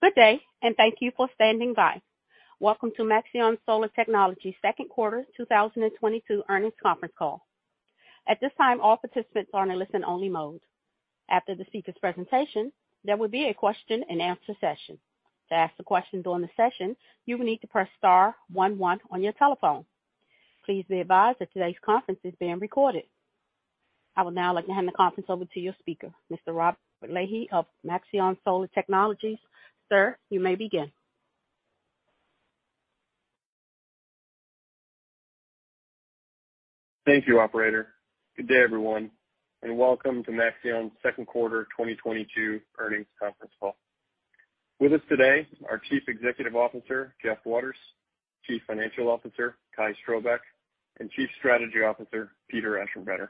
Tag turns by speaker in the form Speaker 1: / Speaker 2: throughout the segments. Speaker 1: Good day, and thank you for standing by. Welcome to Maxeon Solar Technologies' Second Quarter 2022 Earnings Conference Call. At this time, all participants are in a listen-only mode. After the speaker's presentation, there will be a question-and-answer session. To ask a question during the session, you will need to press star one one on your telephone. Please be advised that today's conference is being recorded. I will now like to hand the conference over to your speaker, Mr. Robert Lahey of Maxeon Solar Technologies. Sir, you may begin.
Speaker 2: Thank you, operator. Good day, everyone, and welcome to Maxeon's second quarter 2022 earnings conference call. With us today are Chief Executive Officer Jeff Waters, Chief Financial Officer Kai Strohbecke, and Chief Strategy Officer Peter Aschenbrenner.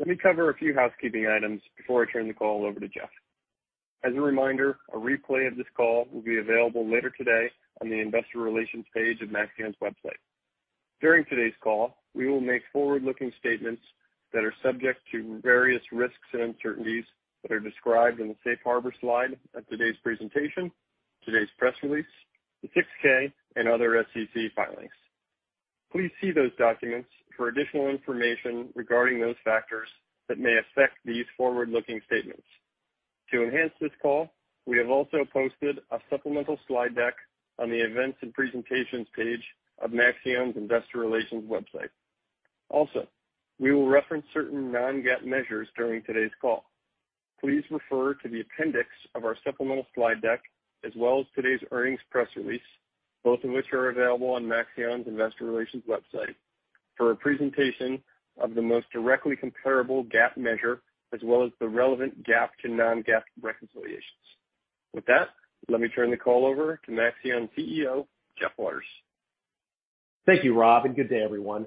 Speaker 2: Let me cover a few housekeeping items before I turn the call over to Jeff. As a reminder, a replay of this call will be available later today on the Investor Relations page of Maxeon's website. During today's call, we will make forward-looking statements that are subject to various risks and uncertainties that are described in the Safe Harbor slide of today's presentation, today's press release, the 6-K, and other SEC filings. Please see those documents for additional information regarding those factors that may affect these forward-looking statements. To enhance this call, we have also posted a supplemental slide deck on the Events and Presentations page of Maxeon's Investor Relations website. Also, we will reference certain non-GAAP measures during today's call. Please refer to the appendix of our supplemental slide deck as well as today's earnings press release, both of which are available on Maxeon's Investor Relations website, for a presentation of the most directly comparable GAAP measure as well as the relevant GAAP to non-GAAP reconciliations. With that, let me turn the call over to Maxeon CEO Jeff Waters.
Speaker 3: Thank you, Rob, and good day, everyone.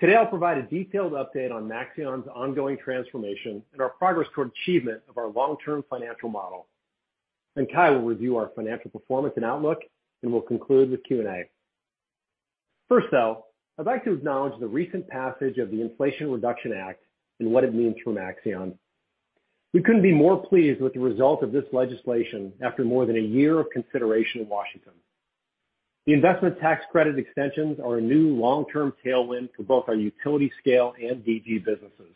Speaker 3: Today, I'll provide a detailed update on Maxeon's ongoing transformation and our progress toward achievement of our long-term financial model. Then Kai will review our financial performance and outlook, and we'll conclude with Q&A. First though, I'd like to acknowledge the recent passage of the Inflation Reduction Act and what it means for Maxeon. We couldn't be more pleased with the result of this legislation after more than a year of consideration in Washington. The investment tax credit extensions are a new long-term tailwind for both our utility-scale and DG businesses.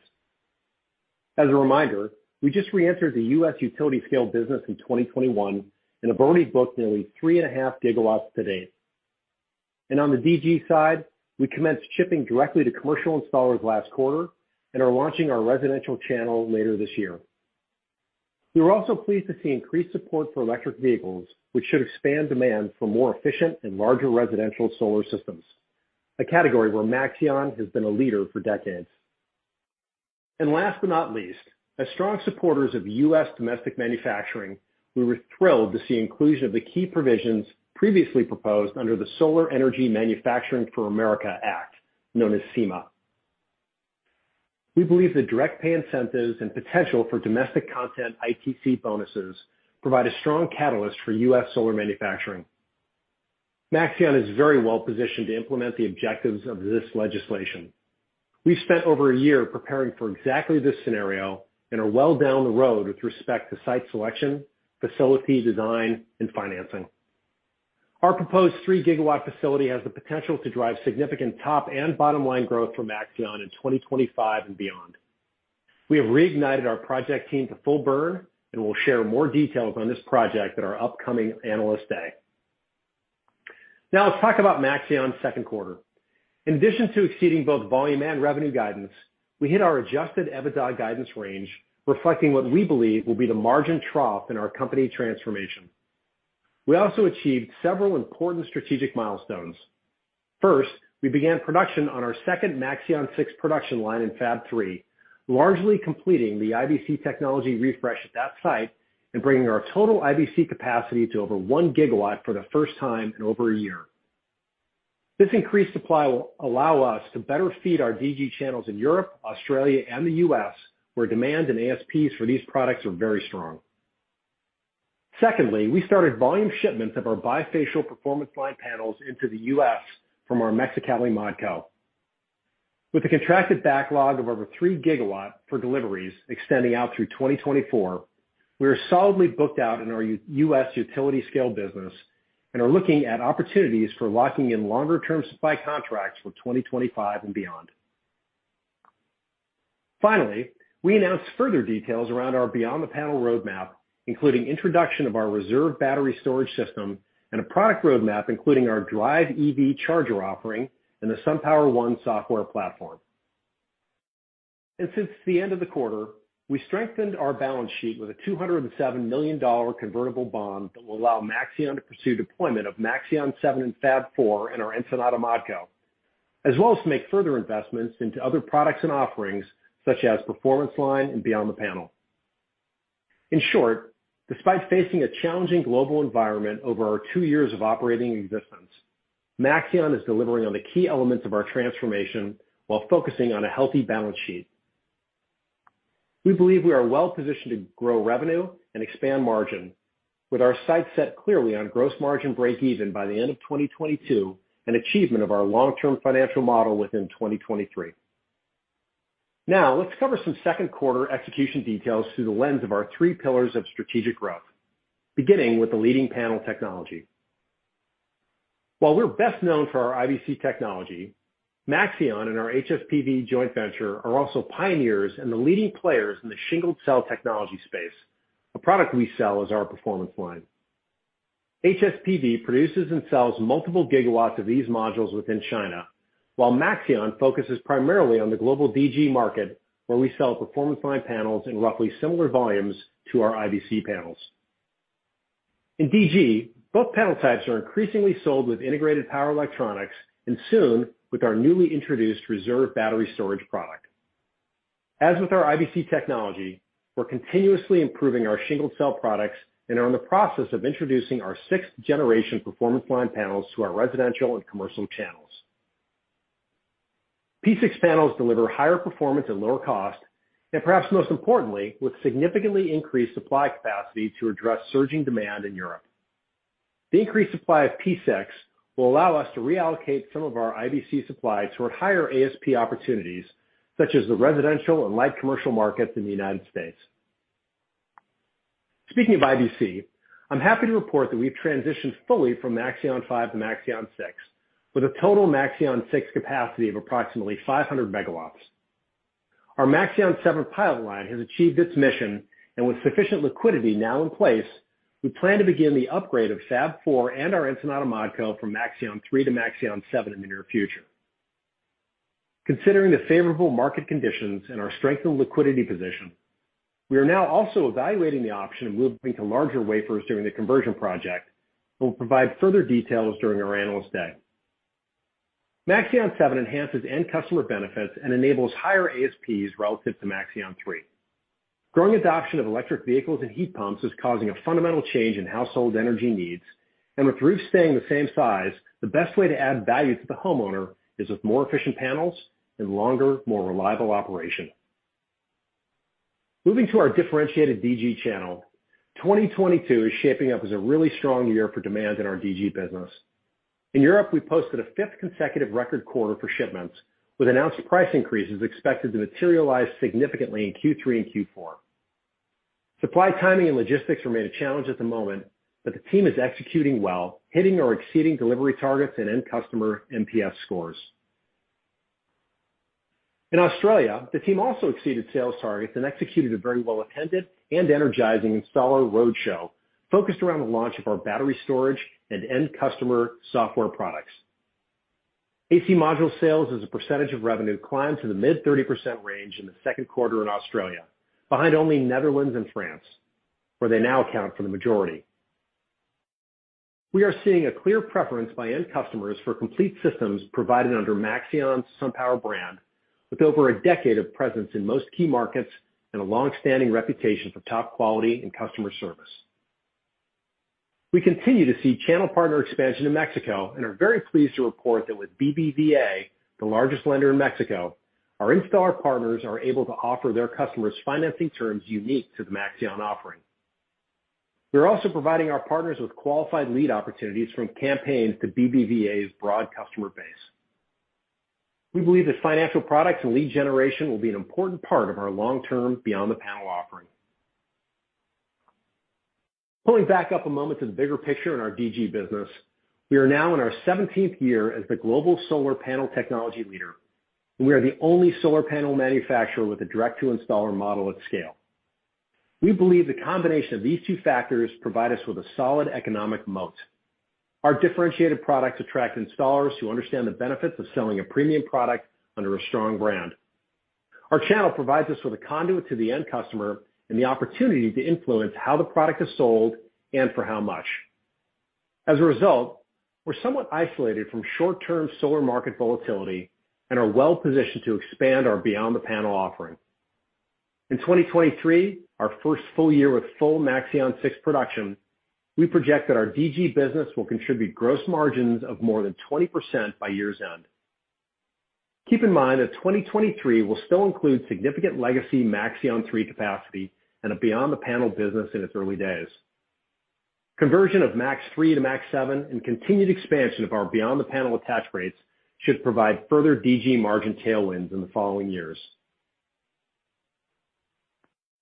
Speaker 3: As a reminder, we just re-entered the U.S. utility-scale business in 2021 and have already booked nearly 3.5 GW to date. On the DG side, we commenced shipping directly to commercial installers last quarter and are launching our residential channel later this year. We were also pleased to see increased support for electric vehicles, which should expand demand for more efficient and larger residential solar systems, a category where Maxeon has been a leader for decades. Last but not least, as strong supporters of U.S. domestic manufacturing, we were thrilled to see inclusion of the key provisions previously proposed under the Solar Energy Manufacturing for America Act, known as SEMA. We believe the direct pay incentives and potential for domestic content ITC bonuses provide a strong catalyst for U.S. solar manufacturing. Maxeon is very well positioned to implement the objectives of this legislation. We've spent over a year preparing for exactly this scenario and are well down the road with respect to site selection, facility design, and financing. Our proposed 3-GW facility has the potential to drive significant top and bottom-line growth for Maxeon in 2025 and beyond. We have reignited our project team to full burn, and we'll share more details on this project at our upcoming Analyst Day. Now let's talk about Maxeon's second quarter. In addition to exceeding both volume and revenue guidance, we hit our adjusted EBITDA guidance range, reflecting what we believe will be the margin trough in our company transformation. We also achieved several important strategic milestones. First, we began production on our second Maxeon 6 production line in Fab 3, largely completing the IBC technology refresh at that site and bringing our total IBC capacity to over 1 GW for the first time in over a year. This increased supply will allow us to better feed our DG channels in Europe, Australia, and the U.S., where demand and ASPs for these products are very strong. Secondly, we started volume shipments of our bifacial Performance Line panels into the U.S. from our Mexicali ModCo. With a contracted backlog of over 3 GW for deliveries extending out through 2024, we are solidly booked out in our U.S. utility-scale business and are looking at opportunities for locking in longer-term supply contracts for 2025 and beyond. Finally, we announced further details around our Beyond the Panel roadmap, including introduction of our SunPower Reserve battery storage system and a product roadmap including our SunPower Drive EV charger offering and the SunPower One software platform. Since the end of the quarter, we strengthened our balance sheet with a $207 million convertible bond that will allow Maxeon to pursue deployment of Maxeon 7 in Fab 4 and our Ensenada ModCo, as well as to make further investments into other products and offerings such as Performance Line and Beyond the Panel. In short, despite facing a challenging global environment over our two years of operating existence, Maxeon is delivering on the key elements of our transformation while focusing on a healthy balance sheet. We believe we are well positioned to grow revenue and expand margin, with our sights set clearly on gross margin break-even by the end of 2022 and achievement of our long-term financial model within 2023. Now let's cover some second quarter execution details through the lens of our three pillars of strategic growth, beginning with the leading panel technology. While we're best known for our IBC technology, Maxeon and our HSPV joint venture are also pioneers and the leading players in the shingled cell technology space, a product we sell as our Performance Line. HSPV produces and sells multiple GW of these modules within China, while Maxeon focuses primarily on the global DG market where we sell Performance Line panels in roughly similar volumes to our IBC panels. In DG, both panel types are increasingly sold with integrated power electronics and soon with our newly introduced reserve battery storage product. As with our IBC technology, we're continuously improving our shingled cell products and are in the process of introducing our sixth-generation Performance Line panels to our residential and commercial channels. P6 panels deliver higher performance at lower cost and, perhaps most importantly, with significantly increased supply capacity to address surging demand in Europe. The increased supply of P6 will allow us to reallocate some of our IBC supply toward higher ASP opportunities such as the residential and light commercial markets in the United States. Speaking of IBC, I'm happy to report that we've transitioned fully from Maxeon 5 to Maxeon 6, with a total Maxeon 6 capacity of approximately 500 MW. Our Maxeon 7 pilot line has achieved its mission, and with sufficient liquidity now in place, we plan to begin the upgrade of Fab 4 and our Ensenada ModCo from Maxeon 3 to Maxeon 7 in the near future. Considering the favorable market conditions and our strengthened liquidity position, we are now also evaluating the option of moving to larger wafers during the conversion project and will provide further details during our Analyst Day. Maxeon 7 enhances end customer benefits and enables higher ASPs relative to Maxeon 3. Growing adoption of electric vehicles and heat pumps is causing a fundamental change in household energy needs, and with roofs staying the same size, the best way to add value to the homeowner is with more efficient panels and longer, more reliable operation. Moving to our differentiated DG channel, 2022 is shaping up as a really strong year for demand in our DG business. In Europe, we posted a fifth consecutive record quarter for shipments, with announced price increases expected to materialize significantly in Q3 and Q4. Supply timing and logistics remain a challenge at the moment, but the team is executing well, hitting or exceeding delivery targets and end customer NPS scores. In Australia, the team also exceeded sales targets and executed a very well-attended and energizing installer roadshow focused around the launch of our battery storage and end customer software products. AC Module sales as a percentage of revenue climbed to the mid-30% range in the second quarter in Australia, behind only Netherlands and France, where they now account for the majority. We are seeing a clear preference by end customers for complete systems provided under Maxeon's SunPower brand, with over a decade of presence in most key markets and a longstanding reputation for top quality and customer service. We continue to see channel partner expansion in Mexico and are very pleased to report that with BBVA, the largest lender in Mexico, our installer partners are able to offer their customers financing terms unique to the Maxeon offering. We are also providing our partners with qualified lead opportunities from campaigns to BBVA's broad customer base. We believe that financial products and lead generation will be an important part of our long-term Beyond the Panel offering. Pulling back up a moment to the bigger picture in our DG business, we are now in our 17th year as the global solar panel technology leader, and we are the only solar panel manufacturer with a direct-to-installer model at scale. We believe the combination of these two factors provides us with a solid economic moat. Our differentiated products attract installers who understand the benefits of selling a premium product under a strong brand. Our channel provides us with a conduit to the end customer and the opportunity to influence how the product is sold and for how much. As a result, we're somewhat isolated from short-term solar market volatility and are well positioned to expand our Beyond the Panel offering. In 2023, our first full year with full Maxeon 6 production, we project that our DG business will contribute gross margins of more than 20% by year's end. Keep in mind that 2023 will still include significant legacy Maxeon 3 capacity and a Beyond the Panel business in its early days. Conversion of Maxeon 3 to Maxeon 7 and continued expansion of our Beyond the Panel attach rates should provide further DG margin tailwinds in the following years.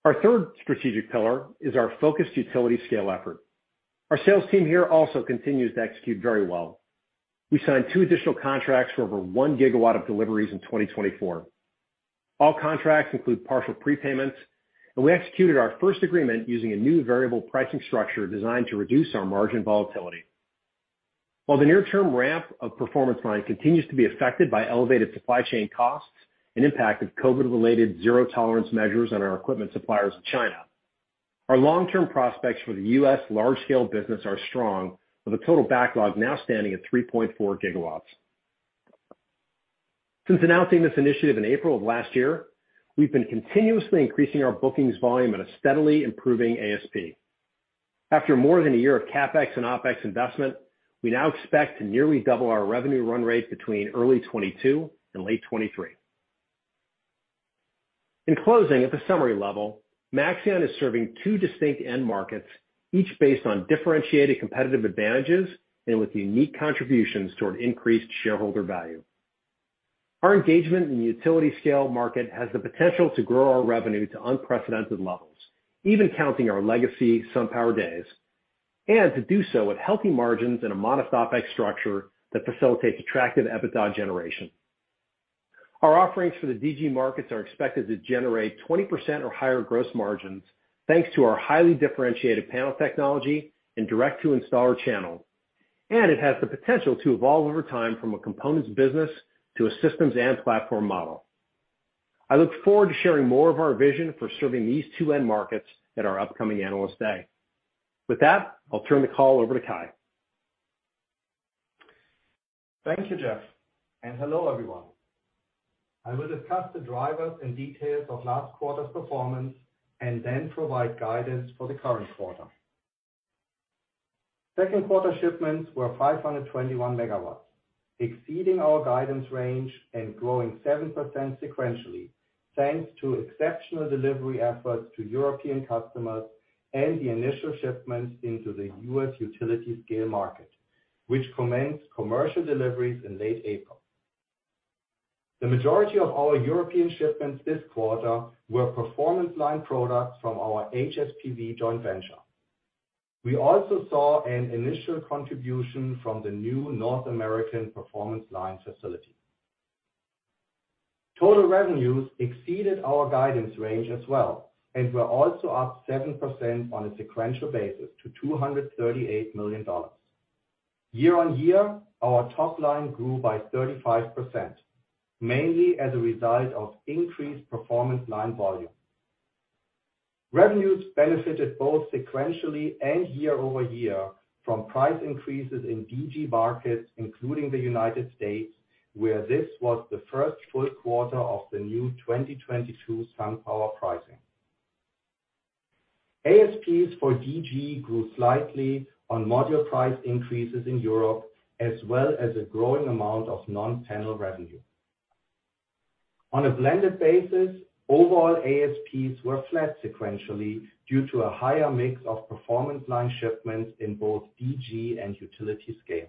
Speaker 3: Our third strategic pillar is our focused utility-scale effort. Our sales team here also continues to execute very well. We signed two additional contracts for over 1 GW of deliveries in 2024. All contracts include partial prepayments, and we executed our first agreement using a new variable pricing structure designed to reduce our margin volatility. While the near-term ramp of Performance Line continues to be affected by elevated supply chain costs and impact of COVID-related zero tolerance measures on our equipment suppliers in China, our long-term prospects for the U.S. large-scale business are strong, with a total backlog now standing at 3.4 GW. Since announcing this initiative in April of last year, we've been continuously increasing our bookings volume at a steadily improving ASP. After more than a year of CapEx and OpEx investment, we now expect to nearly double our revenue run rate between early 2022 and late 2023. In closing, at the summary level, Maxeon is serving two distinct end markets, each based on differentiated competitive advantages and with unique contributions toward increased shareholder value. Our engagement in the utility-scale market has the potential to grow our revenue to unprecedented levels, even counting our legacy SunPower days, and to do so with healthy margins and a modest OpEx structure that facilitates attractive EBITDA generation. Our offerings for the DG markets are expected to generate 20% or higher gross margins thanks to our highly differentiated panel technology and direct-to-installer channel, and it has the potential to evolve over time from a components business to a systems and platform model. I look forward to sharing more of our vision for serving these two end markets at our upcoming Analyst Day. With that, I'll turn the call over to Kai.
Speaker 4: Thank you, Jeff. Hello, everyone. I will discuss the drivers and details of last quarter's performance and then provide guidance for the current quarter. Second quarter shipments were 521 MW, exceeding our guidance range and growing 7% sequentially thanks to exceptional delivery efforts to European customers and the initial shipments into the U.S. utility-scale market, which commenced commercial deliveries in late April. The majority of our European shipments this quarter were Performance Line products from our HSPV joint venture. We also saw an initial contribution from the new North American Performance Line facility. Total revenues exceeded our guidance range as well and were also up 7% on a sequential basis to $238 million. Year-on-year, our top line grew by 35%, mainly as a result of increased Performance Line volume. Revenues benefited both sequentially and year over year from price increases in DG markets, including the United States, where this was the first full quarter of the new 2022 SunPower pricing. ASPs for DG grew slightly on module price increases in Europe as well as a growing amount of non-panel revenue. On a blended basis, overall ASPs were flat sequentially due to a higher mix of Performance Line shipments in both DG and utility-scale.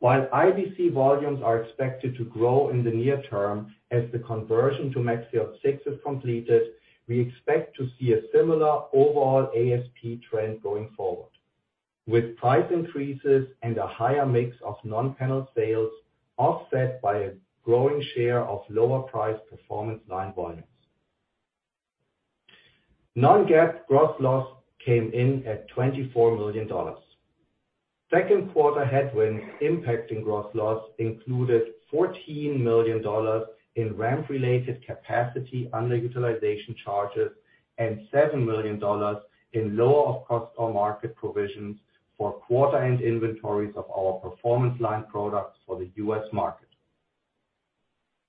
Speaker 4: While IBC volumes are expected to grow in the near term as the conversion to Maxeon 6 is completed, we expect to see a similar overall ASP trend going forward, with price increases and a higher mix of non-panel sales offset by a growing share of lower-priced Performance Line volumes. Non-GAAP gross loss came in at $24 million. Second quarter headwinds impacting gross loss included $14 million in ramp-related capacity under utilization charges and $7 million in lower of cost or market provisions for quarter-end inventories of our Performance Line products for the U.S. market.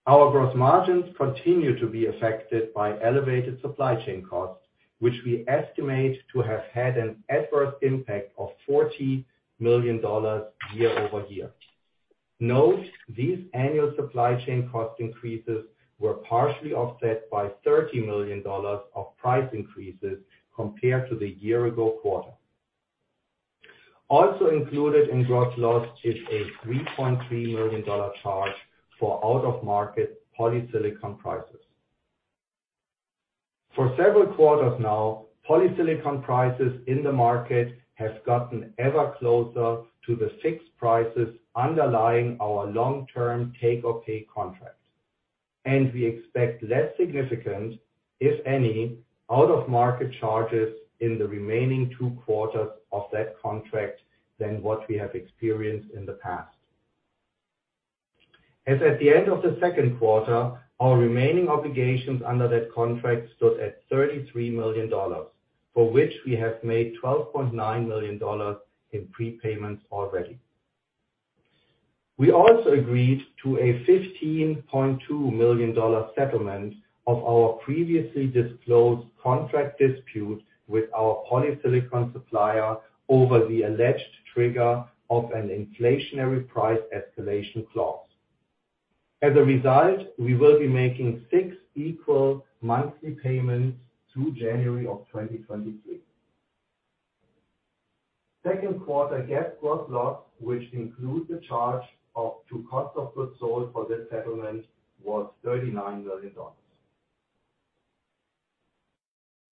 Speaker 4: Our gross margins continue to be affected by elevated supply chain costs, which we estimate to have had an adverse impact of $40 million year-over-year. Note, these annual supply chain cost increases were partially offset by $30 million of price increases compared to the year-ago quarter. Also included in gross loss is a $3.3 million charge for out-of-market polysilicon prices. For several quarters now, polysilicon prices in the market have gotten ever closer to the fixed prices underlying our long-term take-or-pay contract, and we expect less significant, if any, out-of-market charges in the remaining two quarters of that contract than what we have experienced in the past. As at the end of the second quarter, our remaining obligations under that contract stood at $33 million, for which we have made $12.9 million in prepayments already. We also agreed to a $15.2 million settlement of our previously disclosed contract dispute with our polysilicon supplier over the alleged trigger of an inflationary price escalation clause. As a result, we will be making six equal monthly payments through January of 2023. Second quarter GAAP gross loss, which includes the charge to cost of goods sold for this settlement, was $39 million.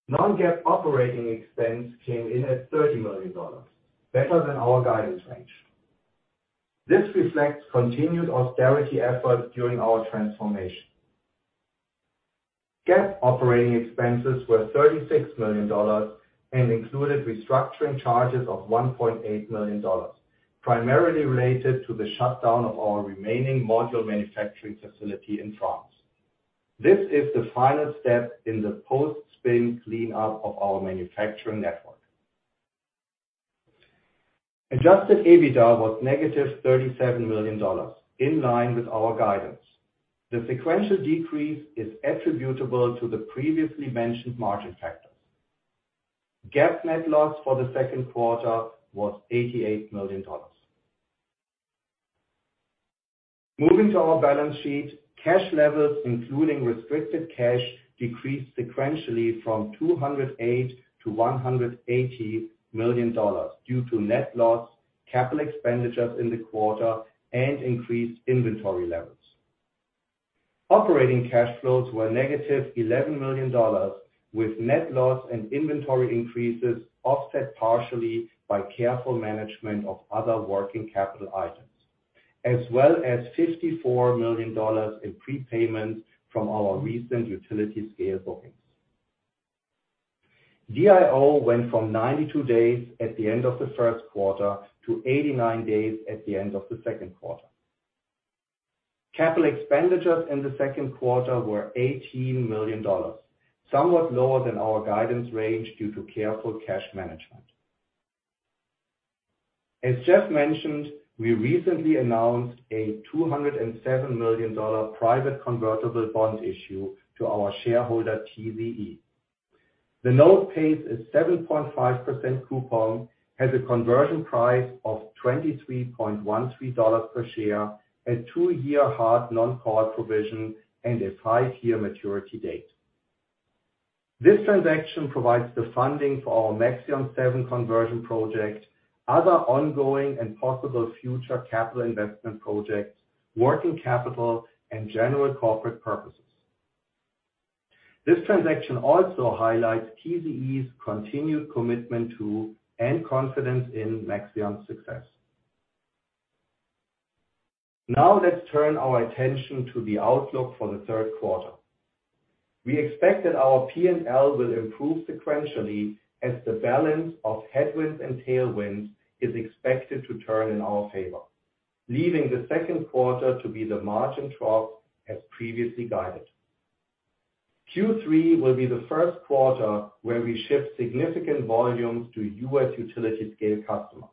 Speaker 4: non-GAAP operating expense came in at $30 million, better than our guidance range. This reflects continued austerity efforts during our transformation. GAAP operating expenses were $36 million and included restructuring charges of $1.8 million, primarily related to the shutdown of our remaining module manufacturing facility in France. This is the final step in the post-spin cleanup of our manufacturing network. Adjusted EBITDA was negative $37 million, in line with our guidance. The sequential decrease is attributable to the previously mentioned margin factors. GAAP net loss for the second quarter was $88 million. Moving to our balance sheet, cash levels, including restricted cash, decreased sequentially from $208 million to $180 million due to net loss, capital expenditures in the quarter, and increased inventory levels. Operating cash flows were negative $11 million, with net loss and inventory increases offset partially by careful management of other working capital items, as well as $54 million in prepayments from our recent utility-scale bookings. DIO went from 92 days at the end of the first quarter to 89 days at the end of the second quarter. Capital expenditures in the second quarter were $18 million, somewhat lower than our guidance range due to careful cash management. As Jeff mentioned, we recently announced a $207 million private convertible bond issue to our shareholder TZE. The note pays a 7.5% coupon, has a conversion price of $23.13 per share with a two-year hard non-call provision and a five-year maturity date. This transaction provides the funding for our Maxeon 7 conversion project, other ongoing and possible future capital investment projects, working capital, and general corporate purposes. This transaction also highlights TZE's continued commitment to and confidence in Maxeon's success. Now let's turn our attention to the outlook for the third quarter. We expect that our P&L will improve sequentially as the balance of headwinds and tailwinds is expected to turn in our favor, leaving the second quarter to be the margin trough as previously guided. Q3 will be the first quarter where we ship significant volumes to U.S. utility-scale customers,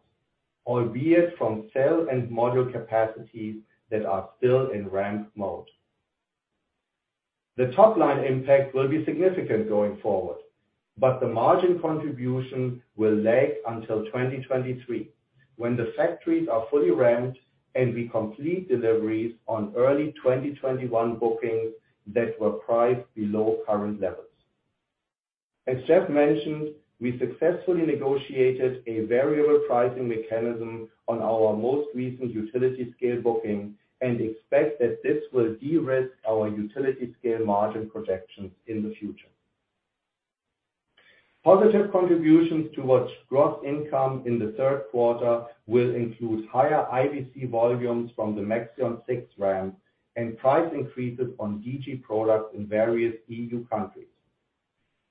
Speaker 4: albeit from cell and module capacities that are still in ramp mode. The top line impact will be significant going forward, but the margin contribution will lag until 2023 when the factories are fully ramped and we complete deliveries on early 2021 bookings that were priced below current levels. As Jeff mentioned, we successfully negotiated a variable pricing mechanism on our most recent utility-scale booking and expect that this will de-risk our utility-scale margin projections in the future. Positive contributions towards gross income in the third quarter will include higher IBC volumes from the Maxeon 6 ramp and price increases on DG products in various E.U. countries.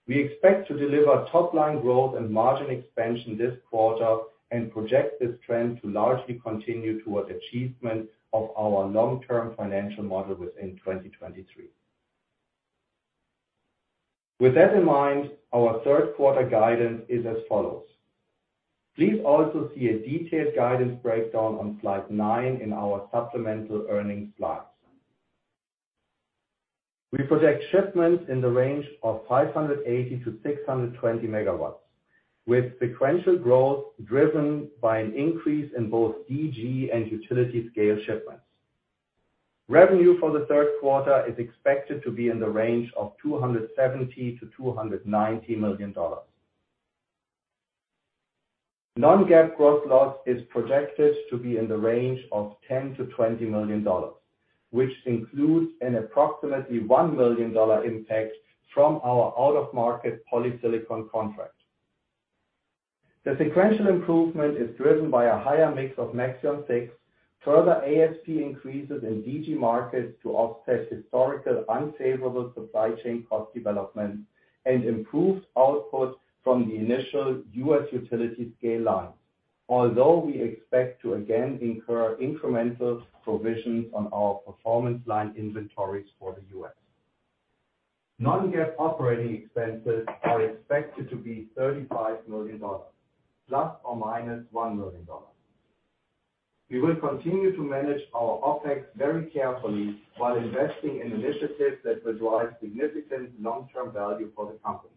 Speaker 4: We expect to deliver top line growth and margin expansion this quarter and project this trend to largely continue toward achievement of our long-term financial model within 2023. With that in mind, our third quarter guidance is as follows. Please also see a detailed guidance breakdown on slide 9 in our supplemental earnings slides. We project shipments in the range of 580-620 MW, with sequential growth driven by an increase in both DG and utility-scale shipments. Revenue for the third quarter is expected to be in the range of $270-$290 million. Non-GAAP gross loss is projected to be in the range of $10-$20 million, which includes an approximately $1 million impact from our out-of-market polysilicon contract. The sequential improvement is driven by a higher mix of Maxeon 6, further ASP increases in DG markets to offset historical unfavorable supply chain cost development, and improved output from the initial U.S. utility-scale lines, although we expect to again incur incremental provisions on our Performance Line inventories for the U.S. non-GAAP operating expenses are expected to be $35 million ± $1 million. We will continue to manage our OpEx very carefully while investing in initiatives that will drive significant long-term value for the company.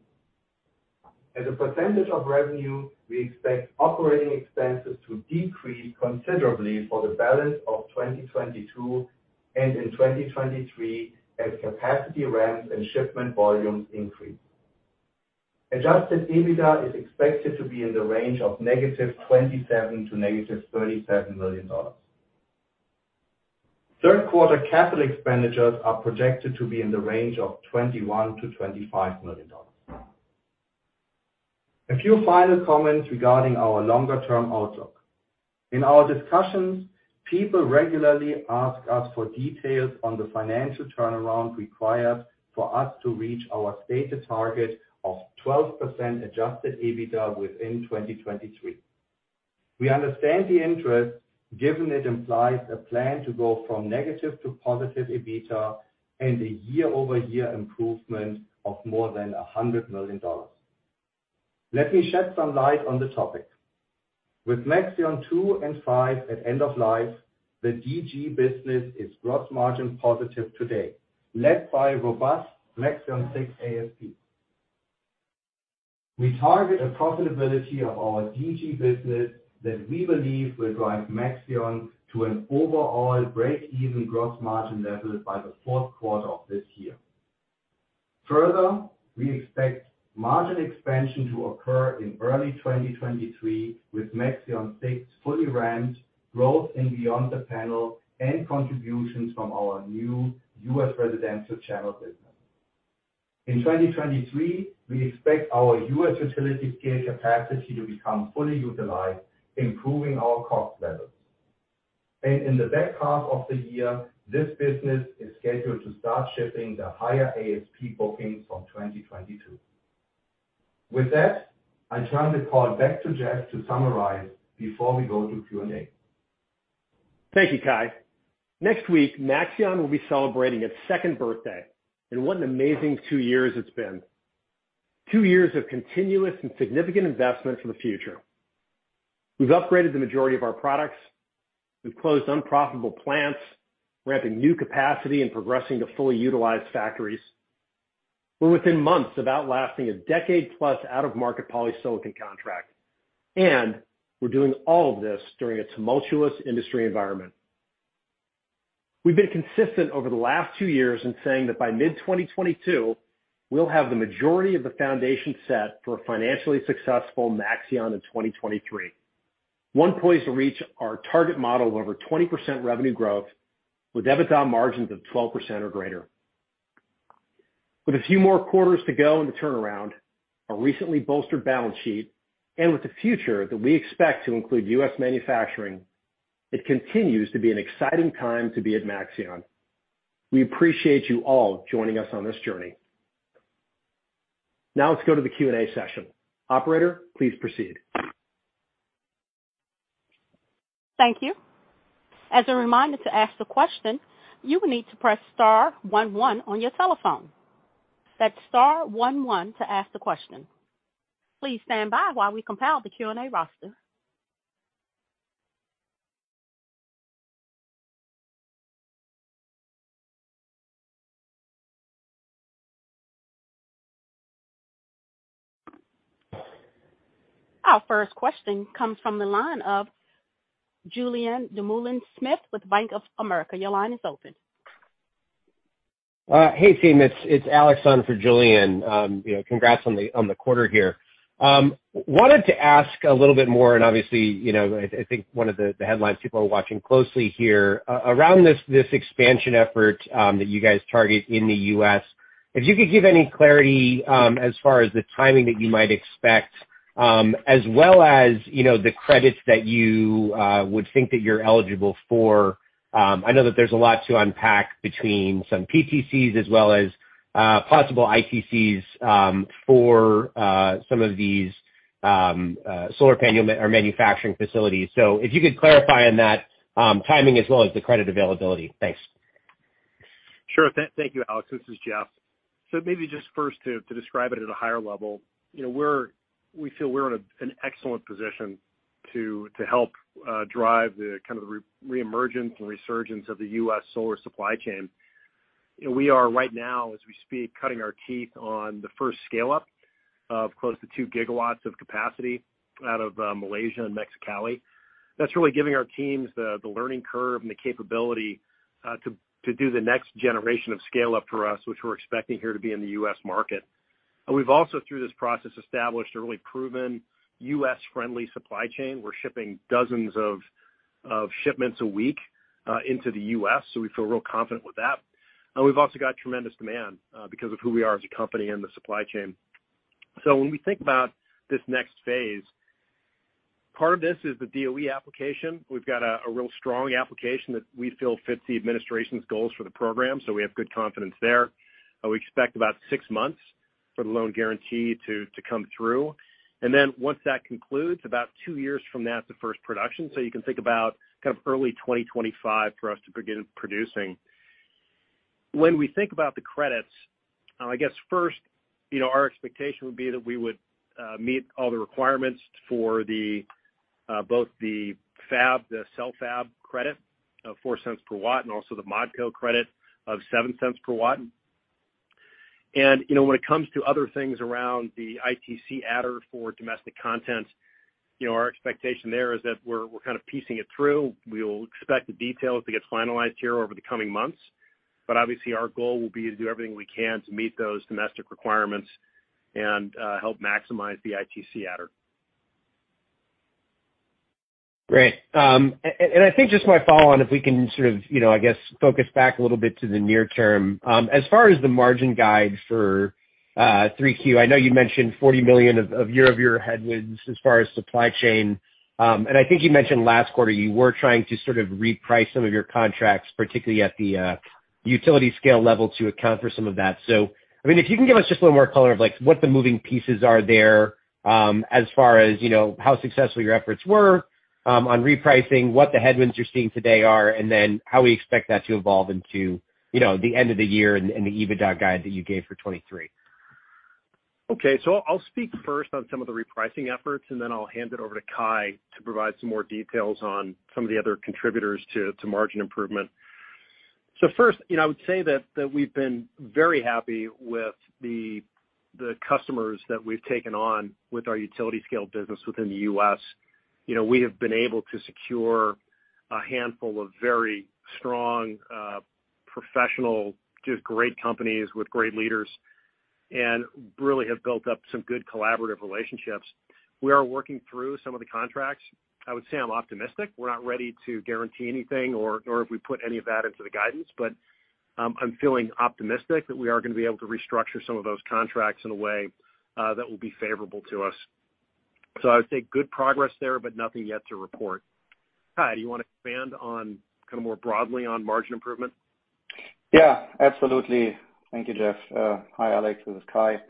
Speaker 4: As a percentage of revenue, we expect operating expenses to decrease considerably for the balance of 2022 and in 2023 as capacity ramps and shipment volumes increase. Adjusted EBITDA is expected to be in the range of -$27 million to -$37 million. Third quarter capital expenditures are projected to be in the range of $21-$25 million. A few final comments regarding our longer-term outlook. In our discussions, people regularly ask us for details on the financial turnaround required for us to reach our stated target of 12% Adjusted EBITDA within 2023. We understand the interest, given it implies a plan to go from negative to positive EBITDA and a year-over-year improvement of more than $100 million. Let me shed some light on the topic. With Maxeon 2 and 5 at end of life, the DG business is gross margin positive today, led by robust Maxeon 6 ASP. We target a profitability of our DG business that we believe will drive Maxeon to an overall break-even gross margin level by the fourth quarter of this year. Further, we expect margin expansion to occur in early 2023 with Maxeon 6 fully ramped, growth in Beyond the Panel, and contributions from our new U.S. residential channel business. In 2023, we expect our U.S. utility-scale capacity to become fully utilized, improving our cost levels. In the back half of the year, this business is scheduled to start shipping the higher ASP bookings from 2022. With that, I'll turn the call back to Jeff to summarize before we go to Q&A.
Speaker 3: Thank you, Kai. Next week, Maxeon will be celebrating its second birthday, and what an amazing 2 years it's been. 2 years of continuous and significant investment for the future. We've upgraded the majority of our products. We've closed unprofitable plants, ramping new capacity, and progressing to fully utilized factories. We're within months of outlasting a decade-plus out-of-market polysilicon contract, and we're doing all of this during a tumultuous industry environment. We've been consistent over the last 2 years in saying that by mid-2022, we'll have the majority of the foundation set for a financially successful Maxeon in 2023, one poised to reach our target model of over 20% revenue growth with EBITDA margins of 12% or greater. With a few more quarters to go in the turnaround, a recently bolstered balance sheet, and with a future that we expect to include U.S. manufacturing, it continues to be an exciting time to be at Maxeon. We appreciate you all joining us on this journey. Now let's go to the Q&A session. Operator, please proceed.
Speaker 1: Thank you. As a reminder to ask the question, you will need to press star one one on your telephone. That's star one one to ask the question. Please stand by while we compile the Q&A roster. Our first question comes from the line of Julien Dumoulin-Smith with Bank of America. Your line is open.
Speaker 5: Hey, team. It's Alex on for Julien. Congrats on the quarter here. Wanted to ask a little bit more, and obviously, I think one of the headlines people are watching closely here around this expansion effort that you guys target in the U.S., if you could give any clarity as far as the timing that you might expect, as well as the credits that you would think that you're eligible for. I know that there's a lot to unpack between some PTCs as well as possible ITCs for some of these solar panel or manufacturing facilities. So if you could clarify on that timing as well as the credit availability. Thanks.
Speaker 3: Sure. Thank you, Alex. This is Jeff. Maybe just first to describe it at a higher level, we feel we're in an excellent position to help drive kind of the reemergence and resurgence of the U.S. solar supply chain. We are right now, as we speak, cutting our teeth on the first scale-up of close to 2 GW of capacity out of Malaysia and Mexicali. That's really giving our teams the learning curve and the capability to do the next generation of scale-up for us, which we're expecting here to be in the U.S. market. We've also, through this process, established a really proven U.S.-friendly supply chain. We're shipping dozens of shipments a week into the U.S., so we feel real confident with that. We've also got tremendous demand because of who we are as a company and the supply chain. When we think about this next phase, part of this is the DOE application. We've got a real strong application that we feel fits the administration's goals for the program, so we have good confidence there. We expect about 6 months for the loan guarantee to come through. Once that concludes, about 2 years from that to first production. You can think about kind of early 2025 for us to begin producing. When we think about the credits, I guess first, our expectation would be that we would meet all the requirements for both the cell fab credit of $0.04 per watt and also the ModCo credit of $0.07 per watt. When it comes to other things around the ITC adder for domestic content, our expectation there is that we're kind of piecing it through. We will expect the details to get finalized here over the coming months. Obviously, our goal will be to do everything we can to meet those domestic requirements and help maximize the ITC adder.
Speaker 5: Great. I think just my follow-on, if we can sort of, I guess, focus back a little bit to the near term. As far as the margin guide for 3Q, I know you mentioned $40 million of year-over-year headwinds as far as supply chain. I think you mentioned last quarter you were trying to sort of reprice some of your contracts, particularly at the utility-scale level, to account for some of that. I mean, if you can give us just a little more color of what the moving pieces are there as far as how successful your efforts were on repricing, what the headwinds you're seeing today are, and then how we expect that to evolve into the end of the year and the EBITDA guide that you gave for 2023.
Speaker 3: Okay. I'll speak first on some of the repricing efforts, and then I'll hand it over to Kai to provide some more details on some of the other contributors to margin improvement. First, I would say that we've been very happy with the customers that we've taken on with our utility-scale business within the U.S. We have been able to secure a handful of very strong, professional, just great companies with great leaders and really have built up some good collaborative relationships. We are working through some of the contracts. I would say I'm optimistic. We're not ready to guarantee anything or if we put any of that into the guidance, but I'm feeling optimistic that we are going to be able to restructure some of those contracts in a way that will be favorable to us. I would say good progress there, but nothing yet to report. Kai, do you want to expand kind of more broadly on margin improvement?
Speaker 4: Yeah, absolutely. Thank you, Jeff. Hi, Alex. This is Kai.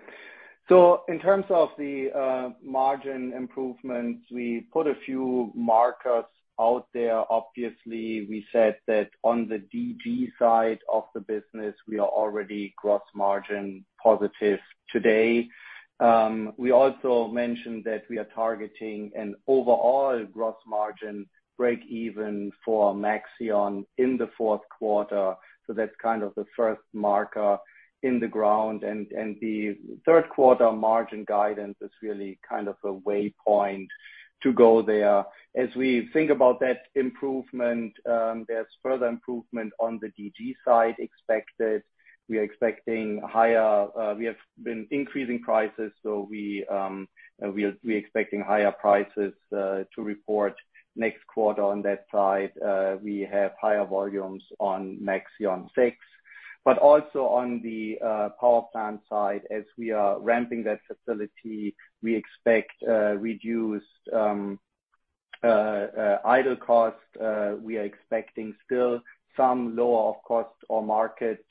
Speaker 4: In terms of the margin improvements, we put a few markers out there. Obviously, we said that on the DG side of the business, we are already gross margin positive today. We also mentioned that we are targeting an overall gross margin break-even for Maxeon in the fourth quarter. That's kind of the first marker in the ground. The third quarter margin guidance is really kind of a waypoint to go there. As we think about that improvement, there's further improvement on the DG side expected. We are expecting higher. We have been increasing prices, so we're expecting higher prices to report next quarter on that side. We have higher volumes on Maxeon 6. Also on the power plant side, as we are ramping that facility, we expect reduced idle cost.
Speaker 5: We are expecting still some lower of cost or market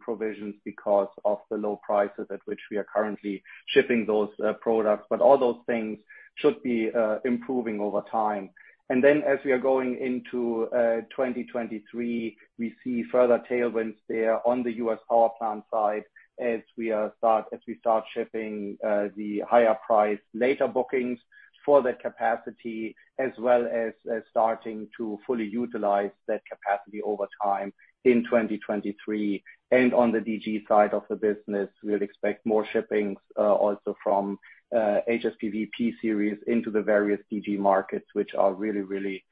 Speaker 5: provisions because of the low prices at which we are currently shipping those products. All those things should be improving over time. As we are going into 2023, we see further tailwinds there on the U.S. power plant side as we start shipping the higher-price later bookings for that capacity, as well as starting to fully utilize that capacity over time in 2023. On the DG side of the business, we would expect more shippings also from HSPV P series into the various DG markets, which are really, really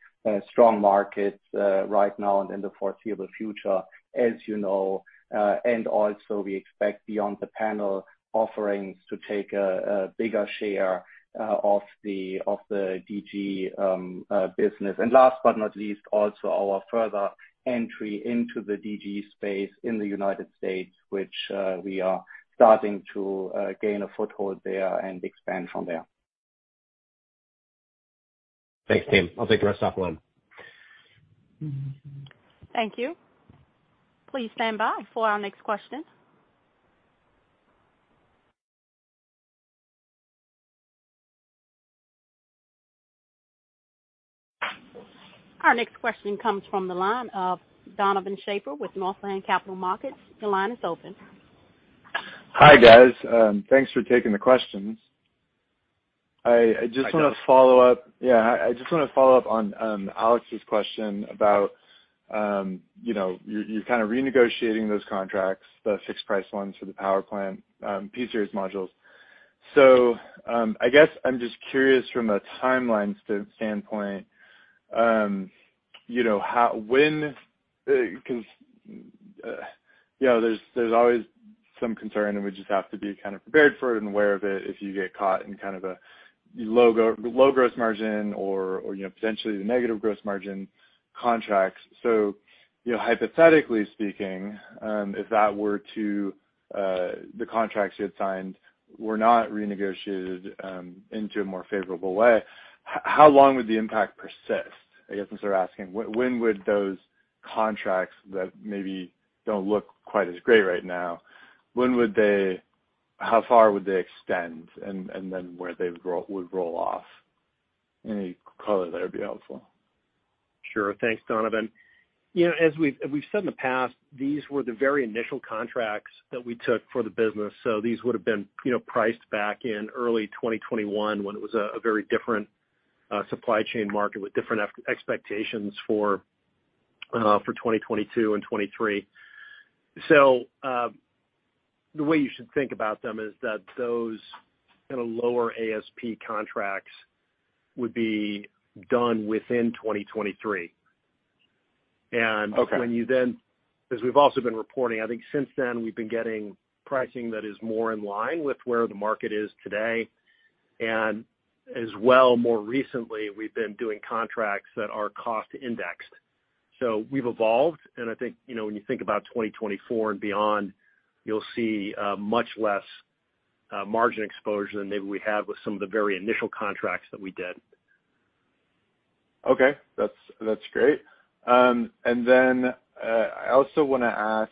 Speaker 5: strong markets right now and in the foreseeable future, as you know. Also, we expect Beyond the Panel offerings to take a bigger share of the DG business. Last but not least, also our further entry into the DG space in the United States, which we are starting to gain a foothold there and expand from there. Thanks, team. I'll take the rest off the line.
Speaker 1: Thank you. Please stand by for our next question. Our next question comes from the line of Donovan Schafer with Northland Capital Markets. Your line is open.
Speaker 6: Hi, guys. Thanks for taking the questions. I just want to follow up on Alex's question about your kind of renegotiating those contracts, the fixed-price ones for the power plant P series modules. I guess I'm just curious from a timeline standpoint when, because there's always some concern, and we just have to be kind of prepared for it and aware of it if you get caught in kind of a low gross margin or potentially the negative gross margin contracts. Hypothetically speaking, if that were to the contracts you had signed were not renegotiated into a more favorable way, how long would the impact persist? I guess that's what we're asking. When would those contracts that maybe don't look quite as great right now, how far would they extend, and then when they would roll off? Any color there would be helpful.
Speaker 3: Sure. Thanks, Donovan. As we've said in the past, these were the very initial contracts that we took for the business. These would have been priced back in early 2021 when it was a very different supply chain market with different expectations for 2022 and 2023. The way you should think about them is that those kind of lower ASP contracts would be done within 2023. When you then because we've also been reporting I think since then, we've been getting pricing that is more in line with where the market is today. As well, more recently, we've been doing contracts that are cost-indexed. We've evolved. I think when you think about 2024 and beyond, you'll see much less margin exposure than maybe we had with some of the very initial contracts that we did.
Speaker 6: Okay. That's great. I also want to ask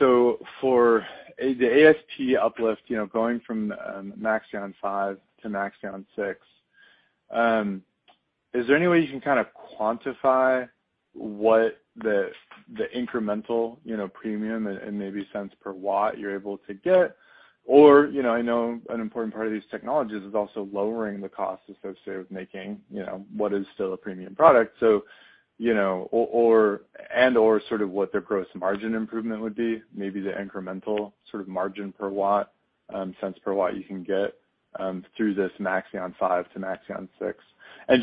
Speaker 6: so for the ASP uplift, going from Maxeon 5 to Maxeon 6, is there any way you can kind of quantify what the incremental premium in maybe cents per watt you're able to get? I know an important part of these technologies is also lowering the cost associated with making what is still a premium product and/or sort of what their gross margin improvement would be, maybe the incremental sort of margin per watt, cents per watt you can get through this Maxeon 5 to Maxeon 6.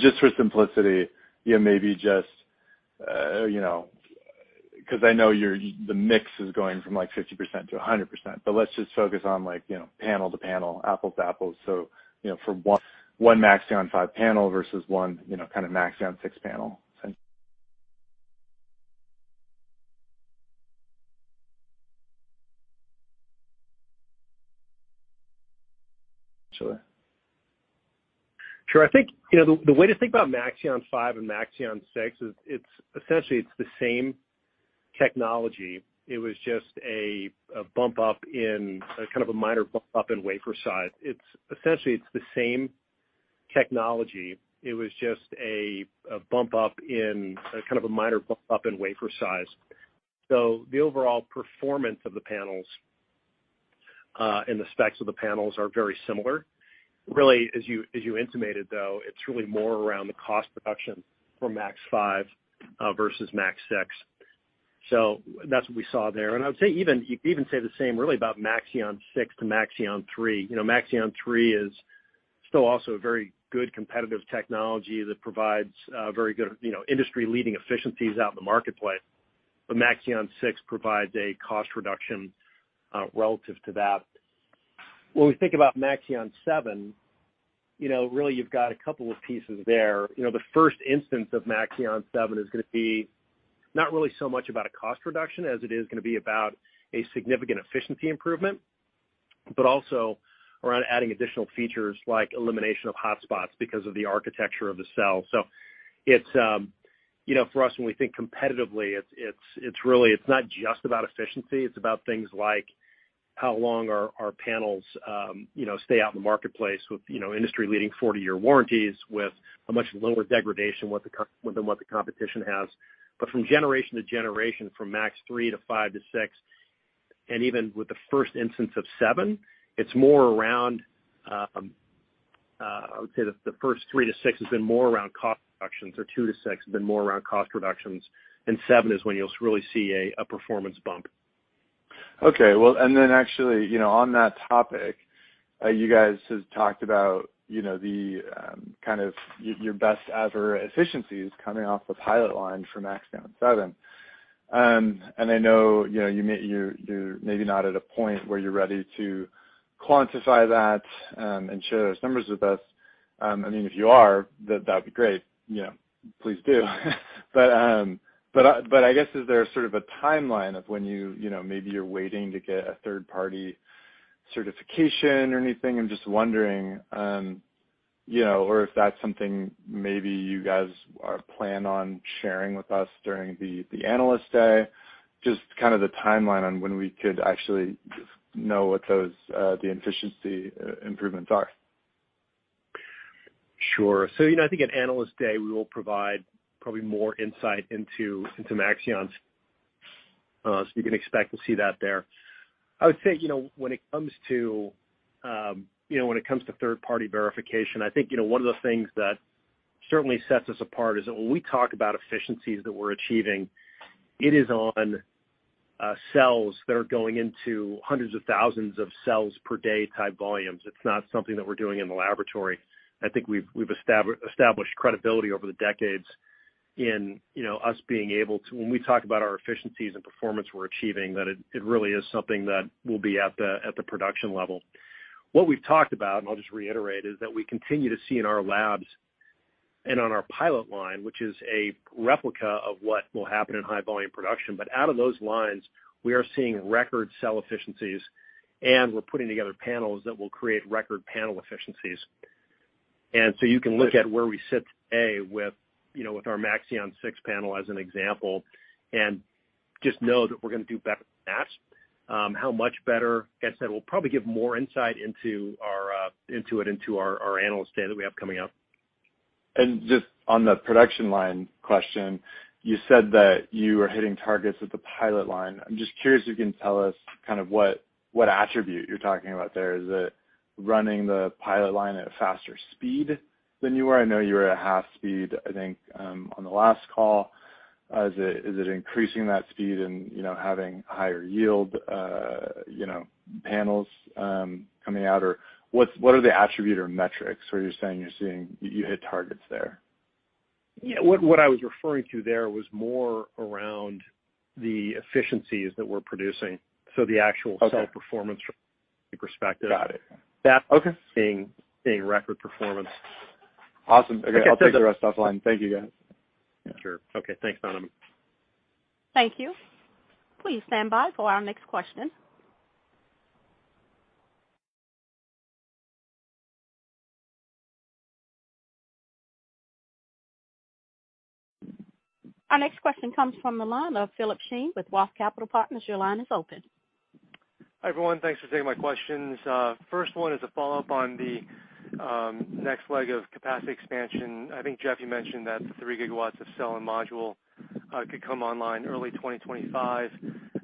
Speaker 6: Just for simplicity, maybe just because I know the mix is going from 50%-100%, but let's just focus on panel to panel, apples to apples. For one Maxeon 5 panel versus one kind of Maxeon 6 panel, essentially.
Speaker 3: Sure. I think the way to think about Maxeon 5 and Maxeon 6, essentially, it's the same technology. It was just a bump-up in kind of a minor bump-up in wafer size. The overall performance of the panels and the specs of the panels are very similar. Really, as you intimated, though, it's really more around the cost reduction for Maxeon 5 versus Maxeon 6. That's what we saw there. I would say you could even say the same, really, about Maxeon 6 to Maxeon 3. Maxeon 3 is still also a very good competitive technology that provides very good industry-leading efficiencies out in the marketplace. Maxeon 6 provides a cost reduction relative to that. When we think about Maxeon 7, really, you've got a couple of pieces there. The first instance of Maxeon 7 is going to be not really so much about a cost reduction as it is going to be about a significant efficiency improvement, but also around adding additional features like elimination of hotspots because of the architecture of the cell. For us, when we think competitively, it's not just about efficiency. It's about things like how long our panels stay out in the marketplace with industry-leading 40-year warranties with a much lower degradation than what the competition has. From generation to generation, from Maxeon 3 to Maxeon 5 to Maxeon 6, and even with the first instance of Maxeon 7, it's more around I would say the first Maxeon 3 to Maxeon 6 has been more around cost reductions, or Maxeon 2 to Maxeon 6 has been more around cost reductions. 7 is when you'll really see a performance bump.
Speaker 6: Okay. Well, then actually, on that topic, you guys have talked about kind of your best-ever efficiencies coming off the pilot line for Maxeon 7. I know you may be not at a point where you're ready to quantify that and share those numbers with us. I mean, if you are, that'd be great. Please do. But I guess is there sort of a timeline of when you maybe you're waiting to get a third-party certification or anything? I'm just wondering or if that's something maybe you guys plan on sharing with us during the analyst day, just kind of the timeline on when we could actually know what the efficiency improvements are.
Speaker 3: Sure. I think at Analyst Day, we will provide probably more insight into Maxeon. You can expect to see that there. I would say when it comes to third-party verification, I think one of the things that certainly sets us apart is that when we talk about efficiencies that we're achieving, it is on cells that are going into hundreds of thousands of cells per day type volumes. It's not something that we're doing in the laboratory. I think we've established credibility over the decades in our being able to when we talk about our efficiencies and performance we're achieving, that it really is something that will be at the production level. What we've talked about, and I'll just reiterate, is that we continue to see in our labs and on our pilot line, which is a replica of what will happen in high-volume production, but out of those lines, we are seeing record cell efficiencies, and we're putting together panels that will create record panel efficiencies. You can look at where we sit today with our Maxeon 6 panel as an example and just know that we're going to do better than that, how much better. Like I said, we'll probably give more insight into it into our analyst day that we have coming up.
Speaker 6: Just on the production line question, you said that you were hitting targets at the pilot line. I'm just curious if you can tell us kind of what attribute you're talking about there. Is it running the pilot line at a faster speed than you were? I know you were at half speed, I think, on the last call. Is it increasing that speed and having higher yield panels coming out? Or what are the attribute or metrics where you're saying you're seeing you hit targets there?
Speaker 3: Yeah. What I was referring to there was more around the efficiencies that we're producing, so the actual cell performance perspective. That's seeing record performance.
Speaker 6: Awesome. Again, I'll take the rest off the line. Thank you, guys.
Speaker 3: Sure. Okay. Thanks, Donovan.
Speaker 1: Thank you. Please stand by for our next question. Our next question comes from the line of Philip Shen with ROTH Capital Partners. Your line is open.
Speaker 7: Hi everyone. Thanks for taking my questions. First one is a follow-up on the next leg of capacity expansion. I think, Jeff, you mentioned that the 3 gigawatts of cell and module could come online early 2025.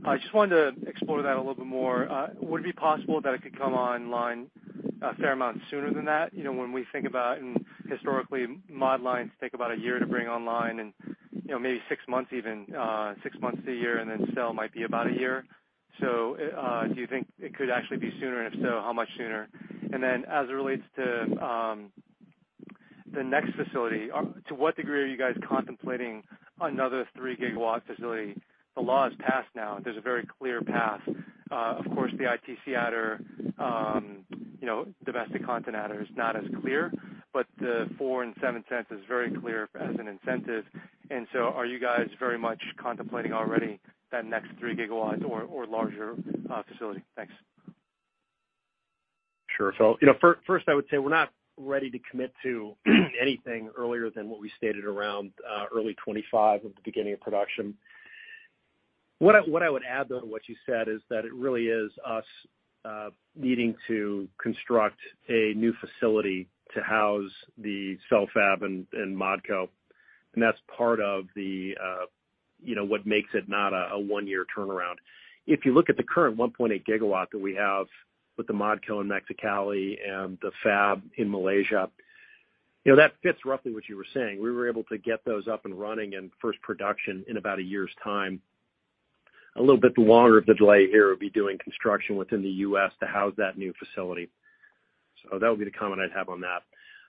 Speaker 7: I just wanted to explore that a little bit more. Would it be possible that it could come online a fair amount sooner than that? When we think about and historically, mod lines take about a year to bring online and maybe six months even, six months to the year, and then cell might be about a year. Do you think it could actually be sooner? And if so, how much sooner? And then as it relates to the next facility, to what degree are you guys contemplating another 3 GW facility? The law is passed now. There's a very clear path. Of course, the ITC adder, domestic content adder, is not as clear, but the $0.04 and $0.07 is very clear as an incentive. Are you guys very much contemplating already that next 3 GW or larger facility? Thanks.
Speaker 3: First, I would say we're not ready to commit to anything earlier than what we stated around early 2025, at the beginning of production. What I would add, though, to what you said is that it really is us needing to construct a new facility to house the cell fab and ModCo. That's part of what makes it not a one-year turnaround. If you look at the current 1.8 GW that we have with the ModCo in Mexicali and the fab in Malaysia, that fits roughly what you were saying. We were able to get those up and running in first production in about a year's time. A little bit longer of the delay here would be doing construction within the U.S. to house that new facility. That would be the comment I'd have on that.